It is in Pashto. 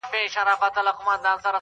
سیاسي هلې ځلې او خاطرې